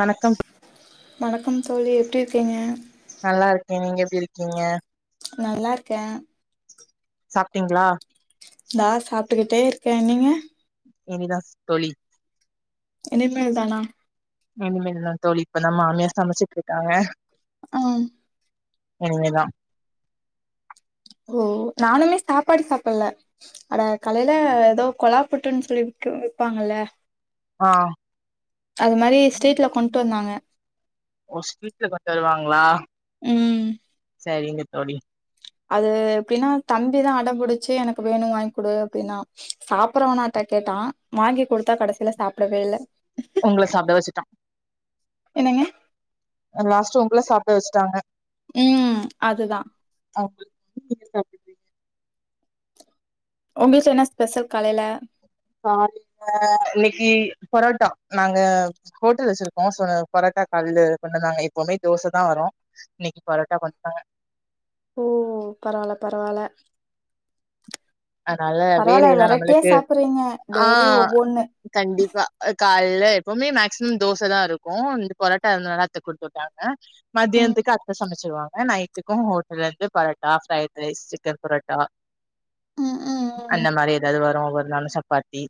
வணக்கம் வணக்கம் தோழி எப்டி இரு கிங்க நல்லாருக்கே நீங்க எப்டி இருக்கிங்க நல்லாருக்கே சாப்ட்டிங்ளா தா சாப்ட்டுக்கிட்டே இருக்கே நீங்க இனிதா தோழி இனிமேல் தானா இனிமேல்தா தோழி இப்பதா மாமியா சமைச்சிட்ருக்காங்க ஆ இனிமேதா ஓ நானுமே சாப்பாடு சாப்பல்ல அட காலைல ஏதோ கொலாப் புட்டுன் சொல்லி விக்கு விப்பாங்கல்ல ஆ அது மாரி ஸ்ட்ரீட்ல கொண்ட்டு வந்தாங்க ஓ ஸ்ட்ரீட்ல கொண்டு வருவா ங்ளா ம் சரிங்க தோழி அது எப்டின்னா தம்பிதா அடம்புடிச்சு எனக்கு வேணு வாங்க்குடு அப்டின்னா சாப்பறவனாட்ட கேட்டா வாங்கி குடுத்தா கடைசில சாப்டவே இல்ல உங்கள சாப்ட வச்சுட்டா என்னங்க லாஸ்ட்டா உங்கள சாப்ட வெச்ட்டாங்க ம் அதுதா ஆமா நீங்க சாப்பிடறிங்க உங்களுக்கு என்ன ஸ்பெஷல் காலைல காலைலா இன்னைக்கு பரோட்டா நாங்க ஹோட்டல் வெச்சிருக்கோ சோ பரோட்டா காலைல கொண்டுந்தாங்க எப்பமே தோசதா வரு இன்னைக்கு பரோட்டா கொண்டுந்தாங்க ஓ பரவால பரவால அன்னால வேலையெல்லா வெரைட்டியா நம்மளுக்கு சாப்பறீங்க ஆ டெய்லி ஒவ்வொன்னு கண்டிப்பா கால்ல எப்பவுமே சிம் தோச தா இருக்கோம் இந்த போரோட்டா இருந்தனால அத்த குடுத்துட்டாங்க ம் மதியான்த்துக்கு அத்த சமைச்சிருவாங்க நைட்டுக்கும் ஹோட்டல இருந்து parotta fried rice chicken parotta ம் ம் ம் அந்த மாரி ஏதாது வரு நால சப்பாத்தி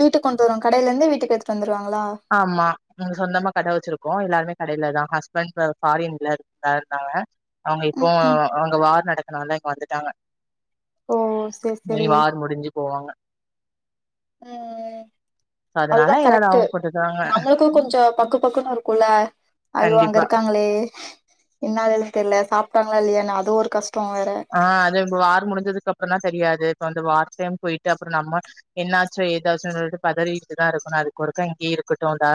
வீட்டுக்கு கொண்டு வரு கடையில இருந்து வீட்டுக்கு எத் ஆம்மா நாங்க சொந்தமா கட வச்சிருக் கோ எல்லாருமே கடையில தா ஹஸ்பண்ட் பாரின்ல க ருக்காங்க அங்க இப்போ ம் ம் அங்க வார் நடக் னோனே இங்க வந்துட்டாங்க ஓ செர் இனி செரி வார் முடிஞ்சு போவாங்க. உம் சோ அதனால அதுதா ஏதாவது கரெக்ட்டு அவங்க போட்டுக்குவாங்க. நம்மளுக்கும் கொஞ்சோ பக்கு பக்குன்தா இருக்கு ல ஐயோ அங்க கண்டிப்பா. இருக்காங்களே என்னாதுன் தெர்ல சாப் இருக்காங்க இல்லையான் அது ஒரு கஷ் ஆஹ் அது இந்த வார் முடிஞ்சதுக்கு அப் புறோந்தா தெரியாது இப்ப வந்து வார் டைம் போயிட்டு அப்புறோ நம்ம என்னாச்சோ ஏதாச்சோன் சொல்ட்டு பதறிட்டுதா இருக்கனு அதுக்கு ஒருக்கா இங்கயே இருக்கட்டு டா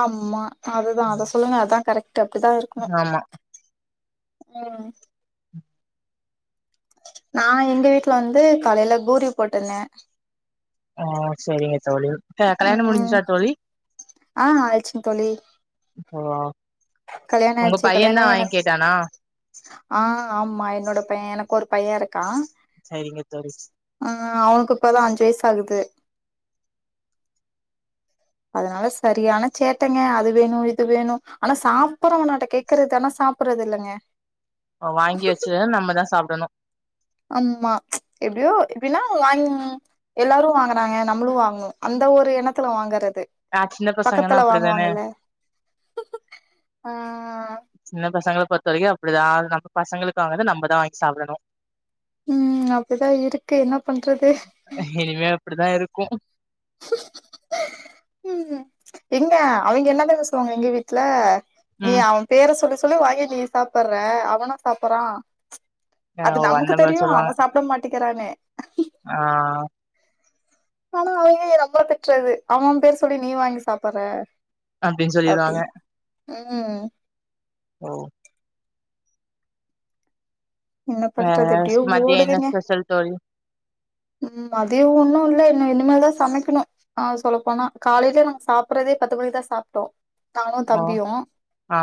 ஆமா அதுதா அத சொல்லுங்க அதா கரெக்ட்டு அப்படித்தா இருக்கணு ஆமா ம் நா எங்க வீட்டுல வந்து காலைல பூரி போட்டுந்த அஹ் செரிங்க தோழி அஹ் கல்யாணோ ம் முடிஞ்சிச்சா தோழி ஆ ஓ கல்யாண உங்க ஆயிடிச்சி கல்யாண பையன்தா ஆயி வாங்கி எனக்கு கேட்டானா அஹ் ஆமா என்னோட பைய எனக்கு ஒருப் பையருக்கா சரிங்க தோழி அஹ் அவனுக்கு இப்பதா அஞ்சி வயசு ஆகுது அதனால சரியான சேட்டேங்க அது வேணு இது வேணு ஆனா சாப்பறவனாட்டோ கேட்கறது ஆனா சாப்பறது இல்லங்க ஓ வாங்கி வச்சி வேணா நம்பதா சாப் புடணு ஆமா எப்டியோ எப்டின்னா வாய்ங் எல்லாரு வாங்குறாங்க நம்மளு வாங்கனு அந்த ஒரு எண்ணத்துல வாங்கறத் து ஆ சின்ன பசங்கன்னா பக்கத்துல அப்படிதானே வாங்குவாங்கல சின்ன பசங்கப் பொருத்த வரைக்கு அப்டிதா நம்ப பசங்களுக்கு வாங்கறத நம்பதா வாங்கி சாப்டணு ம் அப்டிதா இருக்கு என்ன பண்றது கு [unintelligible] ம் எங்க அவிங்க என்ன தா பேசுவாங்க எங்க வீட்ல நீ ம் அவ பேர சொல்ல சொல் சொல்லு வாங்கி நீ சாப்பற்ற அவனா சாப்பற்றா அது ஓ அந்த நமக்கு மாரி தெரியு சொல்லுவாங்க அவ சாப்ட மாட்டிக் கெறானே ஆ ஆனா அவ ஏ நம்மல திட்றது அவம் பேஸ் சொல்லி நீ வாங்கி சாப்பற்ற அப்டின் சொல்லிருவாங்க ம் ஓ என்ன அ பண்றது அ எப்டியோ மதிய என்ன ஓடுதுங்க ஸ்பெஷல் தோழி ம் மதியு ஒன்னு இல்ல இன்னு இனிமே தா சமைக்கிணு ஆ சொல்லப்போனா காலைலே நாங் சாப்டதே பத்து மணிக்தா சாப்டோ நானு ஓ தம்பியு ஆ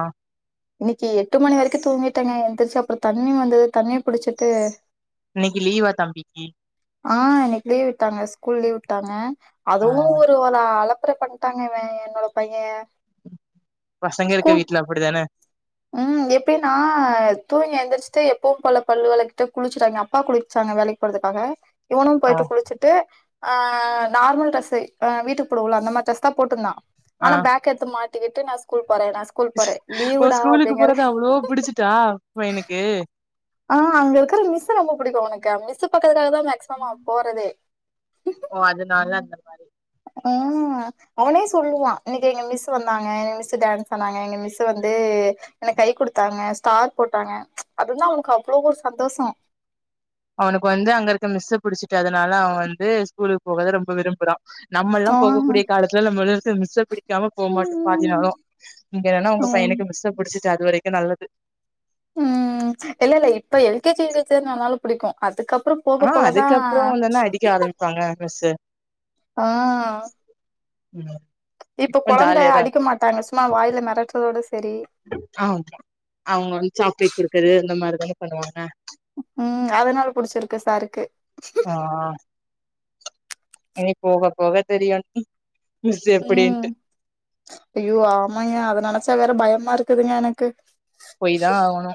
இன்னிக்கி எட்டு மணி வரைக்கு தூங்கிட்டங்க எந்திரிச்சி அப்புறோ தண்ணி வந்தது தண்ணிய புடிச்சிட்டு இன்னிக்கி லீவா தம்பிக்கி ஆ இன்னைக்கன லீவ் விட்டாங்க ஸ்கூல் லீவ் வுட்டாங்க ஆ அதுவு ஒரு வளா அளப் ப்ற பண்ட்டாங்க இவ என்னோட பைய பசங்க இருக்க ஸ்கூல் வீட்ல அப்டிதான ம் எப்பயுன் நா தூங்கி எந்திரிச்சிட்டு எப்பவு போல பல்லு‌ வெலகிட்டு குளிச்சிட்டாங்க அப்பா குளிச்சாங்க வேலைக்கு போறதுக்காக இவனும் ஆ போய்டு குளிச்சிட்டு ஆ நார்மல் டிரெஸ்சே அ வீட்டுக்கு போடுவோல அந்த மாரி டிரெஸ் தா போட்டுந்தா ஆ ஆனா பேக் எட்த்து மாட் டிகிட்டு நா ஸ்கூல் போறே நா ஸ்கூல் போறே ஓ லீவுடா ஸ்கூலுக்கு போறது அவ்ளோ பிடிச்சிட்டா பையனுக்கு ஆ அங்க இருக்கற மிஸ்ஸு ரொம்ப புடிக்கு அவனுக்கு மிஸ்ஸு பாக்கறதுக்காக தா மேக்சிமம் அவ போறதே ஒ அதனால அந்த மாரி ம் அவனே சொல்லுவா இன்னைக்கு எங்க மிஸ்ஸு வந்தாங்க மிஸ்ஸு டான்ஸ் பன்னாங்க எங்க மிஸ்ஸு வந்து எனக் கை குடுத்தாங்க ஸ்டார் போட்டாங்க அது வந்து அவனுக்கு அவ்ளோ ஒரு சந்தோசோ அவனுக்கு வந்து அங்க இருக்க மிஸ்ஸ புடிச்சிட்டு அதனால அவ வந்து ஸ்கூலுக் போகத ரொம்ப விரும்புறா நம்மள்ளா ஆ போகக்கூடிய காலத்துல நம்மளா வந்து மிஸ்ஸ பிடிக்காம போ மாட்டோ ம். பாதினாலு இங்க என்னனா உங்க ம். பையனுக்கு மிஸ்ஜ பிடிச்சி செ அதுவரைக்கு நல்லது ம் இல்ல இல்ல இப்ப எல்கேஜில சேந்த அதுனால புடிக்கு அதுக்கப் ஆ அதுக்கப்பறோந்தான அடிக்க ஆரமிப்பாங்க மிஸ்ஸு ஆ ம் இப்ப கொழந்த அடிக்க மாட்டாங்க சும்மா வாய்ல மெரட்றதோட ச ஆஹ் அவுங்க வந்து சாக்லேட் குடுக்குறது இந்த மாரி என்ன பண்ணுவாங்க ம் அதனால புடிச்சிருக்கு சாருக்கு ஆ இனி போக போக தெரியு மிஸ் எப்டின்ட்டு ம் ஐயோ ஆமயா அத நெனச்சா வேற பயமா இருக்குதுங்க எனக்கு போயி தா ஆகணு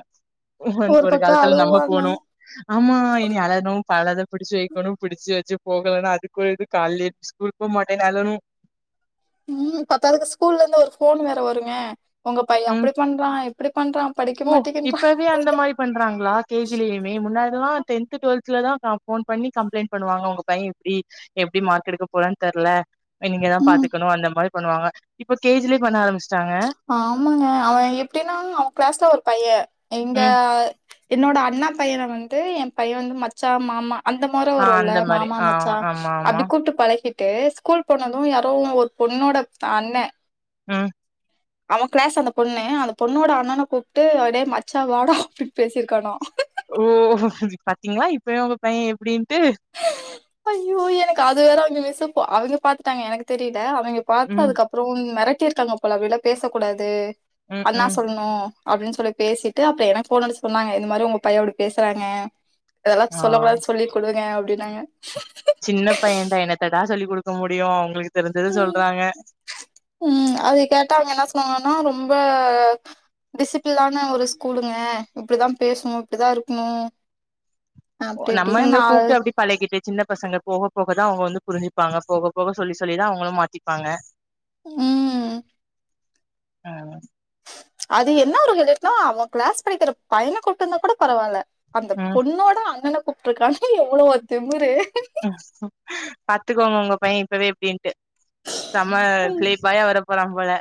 ஒரு பக்கம் காலத்துல நம்ம அழுவாங்க. போணோ ஆமா இனி அலனு பலத புடிச்சு வெக்கணு புடிச்சு வெச்சி போகலன்னா அதுக்கு ஒரு‌ இது கால்லயே ஸ்கூல் போமாட்டேன் அலனு ம் பத்தாதுக்கு ஸ்கூல்லருந்து ஒரு ஃபோன் வேற வருங்க உங்க பைய ம் அப்டி பண்றா இப் ஓ இப்பவே அந்த மாரி பண்றாங்களா கே ஜி-லயுமே முன்னாடிலா டென்த் டுவெல்த் லதா ஃபோன் பண்ணி கம்ப்ளைண்ட் பண்ணுவாங்க உங்க பையன் இப்டி எப்டி மார்க்கெட்டுக்க போறான்னு தெர்ல நீங்கதா ம். பாத்துக்கணு அந்த மாரி பண்ணுவாங்க இப்ப கே ஜி-லயே பண்ண ஆரமிச் ஆமாங்க அவெ எப்டினா அவெ கிளாஸ்ல ஒரு பையன் எங்க ம் என்னோட அண்ணா பையன வந்துட்டு என் பையன் வந்து மச்சா மாமா அந்த மொற ஆ வருல்ல அந்த மாரி மாமா ஆ மச்சா ஆமா ஆமா. அப்டி கூப்ட்டு பழகிட் ட்டு ஸ்கூல் போனது யாரோ ஒரு பொண்ணோட அண்ணே ம் அவன் கிளாஸு அந்த பொண்ணு அந்த பொண்ணோட அண்ணன கூப்ட்டு அடே மச்சா வாடா அப்டின்னு பேசிருக்காணா ஓ பாத்தீங்களா இப்பயே உங்க பையன் எப்டின் ஐயோ எனக்கு அது வேற அங்க அவிங்க பாத்துட்டாங்க எனக்கு தெரியு க அவங்க பாத்து ம், அதுக்கப்புறம் மெரட் டிருக்காங்க போல அப்டிலா பேச கூடாது ம், அண்ணா ம். சொல்ணு அப்டின்னு சொல்லி பேசிட்டு அப்புறம் எனக்கு ஃபோனடிச்சு சொன்னாங்க இந்த மாரி உங்க பையன் இப்டி பேசுறாங்க அதெல்லா சொல்லக் கூடாதுனு சொல்லிக் குடுங்க அப்டினாங்க சின்னப் பையன்டா என்னத்தடா சொல்லி கொடுக் க்க முடியு அவுங்களுக் உம் அத கேட்டா அவுங்க என்ன சொன்னாங்கன்னா ரொம்ப ம்ப டிசிஃப்ளினான ஒரு ஸ்கூலுங்க இப்டிதா பேசணு இப்டிதா இருக்கணு அப்டி நம்ம இப்டின்னு இங்க நா கூப்ட்டு அப்டி பழகிட்டு சின்ன பசங்க போக போக அப்பதான் அவங்க வந்து புரிஞ்சிப்பாங்க போக போக சொல்லி சொல்லிதான் அவங்களும் மாத்திப்பாங்க உம் ஆஹ் அது என்ன ஒரு [unintelligible] அவன் கிளாஸ் படிக்கிற பையனை கொட்ட இருந்தா கூட பரவாயில்ல அந்த ம், பொண்ணோட அண்ணனு கூப்பருக்கானா எவ்ளோ திமுரு பாத்துக்கோங்க உங்க பையன் இப்பவே எப்படின்ட்டு செம பேலேபாய்யா வர போறா போல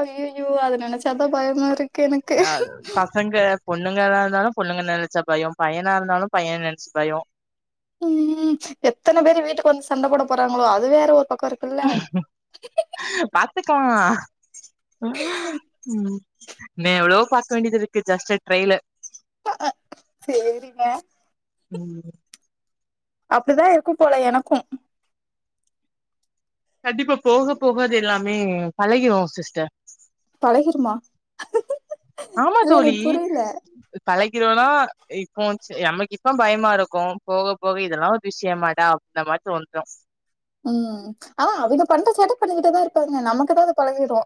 அய்யையோ அத நெனச்சாதா பயமா இருக் யாரு பசங்க பொண்ணுங்களா இருந்தாலு பொண்ணுங்க நெனச்சா பயம் பையனா இருந்தாலு பையென நெனச்சு பயோ ம் எத்தன பேரு வீட்டுக்கு வந்து சண்ட போட போறாங்களோ அது வேற பக்கோ இருக்குல்ல பாத்துக்கலா, ம் இன்னியு எவ்ளோ பாக்க வேண்டியது இருக்கு ஜஸ்ட் டிரெய்லர் சேரிங்க ம் அப்படிதா இருக்கு போல எனக்கு கண்டிப்பா போக போக அது எல்லாமே பழகிருவோ சிஸ்டர் பழகிருமா ஆமா இல்ல தோழி எனக்கு புரியல. பழகிறோனா இப்போ நமக்கு இப்ப பயமா இருக்கு, போக போக இதெல்லா ஒரு விஷயமாடா அப்படின்ற மாரி தோனிரும் ம் அவ அவ் பண்ற சேட்ட பண்ணிக்கிட்டுதா இருப்பாங்க நமக்குதா அது பழகிரு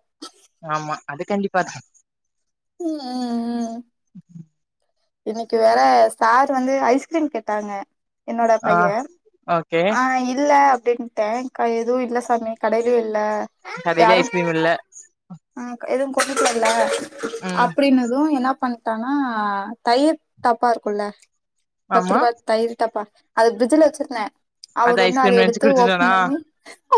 ஆமா அது கண்டிப்பாதா ம், ம், ம் இன்னைக்கு வேற சார் வந்து ஐஸ்கிரீம் கேட்டாங்க என்னோட ஆ பைய ஓகே ஆ இல் இல்ல அப்படின்ட்டே க எதுவு இல்ல சாமி கடையிலயு இல்ல கடையிலே ஐஸ்கிரீம் இல்ல கொண்டுட்டுவல்ல ம் அப்டின்னது என்னா பண் ட்டாங்க தயிர் டப்பா இருக்குல்ல பத்து ஆமா ரூபா தயிர் டப்பா அது பிரிட்ஜில வச்சிருந்தே அது அவர் வந்து அத ஐஸ்கிரீம் நெனச்சு எடுத்து ஓபன் குடுத்துட்டனா பண்ணி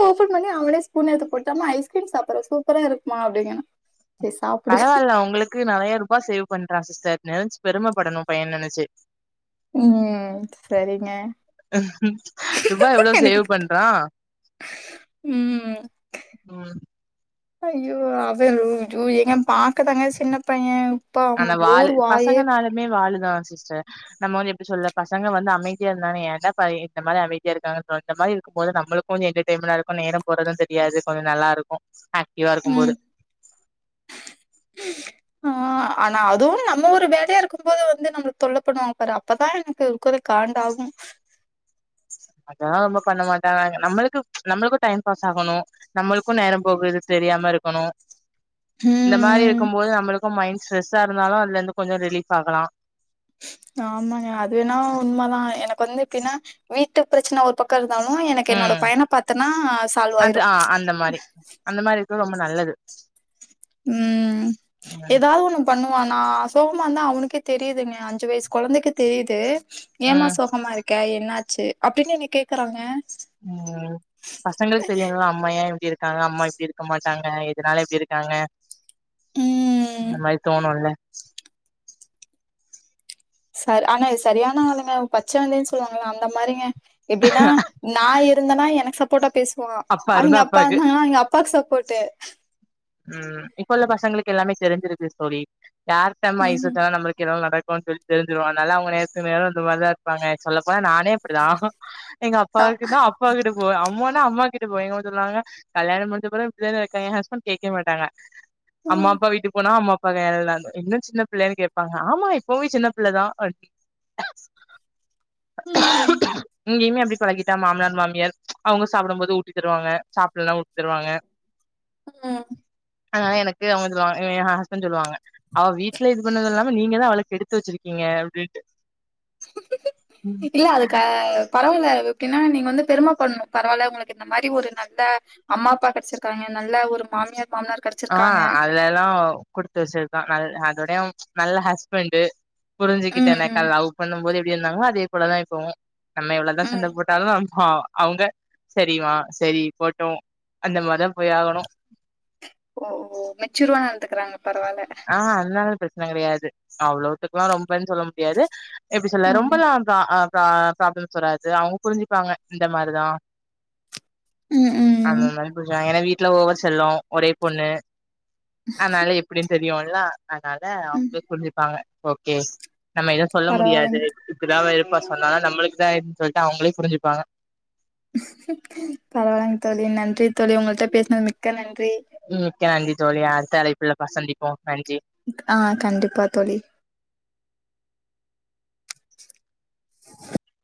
ஓபன் பண்ணி அவனே ஸ்பூன் எடுத்து போய்ட்டாமா ஐஸ்கிரீம் சாப்புற சூப்பராருக்குமா அப்டிங்கிறா பரவால்ல உங்குளுக்கு நெறயா ருபா சேவ் பண்றா சிஸ்டர் நெனச் பெருமப்படணு பையன் நெனச்சி ம். சரிங்க. ருபா எவ்ளோ எனக்கு சேவ் பண்றா உம் அய்யோ அவேலு ஜூ ஏங்க பாக்குதாங்க சின்ன பையே ஆனா வாளு பசங்கனாளுமே வாளு தா சிஸ்டர் நம்மோ வந்து எப்டி சொல்ல பசங்க வந்து அமேதியா இருந்தாலு ஏன்டா பை இந்த மாதிரி அமைதியா இருக்காங்கன்ற இந்த மாரிருக்கும் போது நம்ளுக்கு கொஞ்சொ என்டர்டேமனாருக்கு நேரம் போறது தெரியாது கொஞ்சொ நல்லாருக்கு லீவாருக்கும்போது ஆஹ் அனா அதுவும் நம்மோ ஒரு வேலையாருக்கும் போது வந்து நம்ள தொல்லப் பண்ணுவாங்க பாரு அப்பதா எனக்கு இருக்கத காண்டாகு அதெல்லா ரொம்ப பண்ண மாட்டாங்க நம்முளுக்கு நம்மளுக்கு டைம் பாஸாகணு நம்முளுக்கு நேரம் போகுது தெரியாமருக்குணு இந்த ம். மாரிருக்கும் போது நம்ளுக்கு மைண் ஸ்ரெஸ்ஸா இருந்தாலு அதுலந்து கொஞ்சொ ரிலஃப் ஆகலா ஆமாங்க அது வேணா உண்மெதா எனக் கு வந்து எப்பினா வீட்டுப் பிரச்சன ஒரு பக்கோ இரு ந்தாலு எனக்கு என்னோட ம் பையன பாத்தன்னா சால்வ் அது ஆயிரு ஆ அந்த மாரி அந்த மாரி இருக்கது ரொம்ப நல்லது உம் ம் ஏதாவ் ஒண்ணு பண்ணு நா சோகமா இருந்தா அவனுக்கே தெரீதுங்கெ அஞ்சி வயிஸ் கொழந்தைக்கு தெரீதூ ம் ஏமா சோகமாருக்க என்னா ஆ சு அப்டின்னு என்ன கேக்குறாங்க உம் பசங்கள்க் தெரியோல அம்மா ஏ இப்டி இருக்காங்க அம்மா இப்டி இருக்க மாட் டாங்க எதுனால இப்டி இருக்காங்க ம் இந்தெ மாரி தோணுல்ல சார் ஆனா இது சரியானா ஆளுங்க பச்சோந்தின் சொல்வாங்களா அந்த மாரிங்க எப்டின்னா நா இருந்தனா எனக் சப் போட்டா பேச் வா இருந்தா அனிகி அப்பா அப்பாக்கு வந்தாங்கன்னா அவைங்க அப்பாக்கு சப்போட்டு உம் இப்பொ உள்ள பசங்குளுக்கு எல்லாமே தெரிஞ்சிருது தோழி யார்ட்டம் ஐசு ம் வெச்சா நம்மளுக் எதாவ் நடக் கு சொல்லி தெரிஞ்சுரு அனால அவுங்க நேத்து நேரோன்ற மாரிதா இருப்பாங்கெ சொல்லப்போன நான் னே அப்டிதா எங்க அப்பாக்குனா அப்பா கிட்ட போ அம்மான் னா அம்மா கிட்ட போவே எங்க அம்மா சொல்வாங்க கல்யாண முஞ்ச பெறகு இப்டிதான இருக்காங்க எ ஹஸ்பண்ட் கேக்கவே மாட்டாங்க அம்மா ம் அப்பா வீட்டுக் போனா அம்மாப் பகயெல்லா இன்னு சின்ன பிள்ளையான்னு கேப்பாங்க ஆமா இப்பவுமே சின்ன பிள்ளைதா அப்டி உஹ்ம் இங்கேயுமே அப்டி பழகிட்டா மாமனார் மாமியார் அவங்க சாப்புடும் போது ஊட்டி தருவாங்க சாப்பிட்லனா ஊட்டி தருவாங்க உஹ்ம் அதனால எனக்கு அவங்க சொல்லுவாங்க ஏ எ ஹஸ்பண்ட் சொல்லுவாங்க அவ வீட்ல இது பண்ணது இல்லாம நீங்கதா அவள கெடுத்து வச்சிருக்கீங்க அப்டின்ட்டு இல்ல அதுக்கா பரவாயில்ல அது ஏன்னா நீங்க வந்து பெரும பட்ணு பரவாயில்ல உங்களுக்கு இந்த மாரி ஒரு நல்ல அம்மா அப்பா கெடச்சிருக்காங்க நல்ல ஒரு மாமியா ஆஹ் அதுல எல்லா குடுத்து வச்சிருக்கோ நல் அதோடய நல்ல ஹஸ்பண்ட் புரிஞ்சுக்குட்ட ம் ம் நெக்கா லவ் பண்ணும்போதே இப் டி இருந்தாங்களோ அதே போலதா இப்போவு நம்ம எவ்வளவுதா சண்ட ம் போட்டாலு நம் ஹா அவுங்க செரிமா செரி போட்டோம் அந்த மாரிதா போய் ஆகணும் ஓ மெச்சூருவ எத்துக்கறாங்க பரவால்ல ஆ அதனால கெடையாது அவ்ளவுத்துக்குெல்லாம் ரொம்பன்னு சொல்ல முடியாது எப்டி சொல்ல ம் ரொம்ப லா அ ஆ ப்ராப்ளம்ஸ் சொராது அவுங்க புரிஞ்சுப்பாங்க இந்த மாரிதா ம் அ ம் புச அ வீட் வீல ஓவ செல்லும் ஒரே பொண்ணு [inaudible] தெரியுலா அதனால ம் அவுங்களே புருஞ்சிப்பாங்க ஓகே நம்ம எதவும் சொல்ல முடியாது பரவாயில்லைங்க இப்பதான் ப்பா சொன்னானா நம்பளுக்கு தா எதுன்னு சொல்லிட்டு அவுங்களே புரிஞ்சுப்பாங்க பரவாயில்லங்க தோழி நன்றி தோழி உங்கள்ட்ட பேசினது மிக்க நன்றி உம்க்கந்தி ஜோலியா அடுத்த அலைக்புள்ள சந்திப்போ நு ஆ கண்டிப்பா தொழி